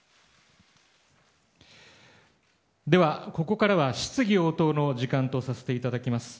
では、ここからは質疑応答の時間とさせていただきます。